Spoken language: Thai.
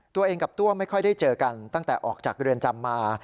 ตัวเองกับตัวไม่ค่อยได้เจอกันตั้งแต่ออกจากเรือนจำมา